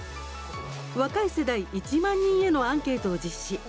若い世代１万人へのアンケートを実施。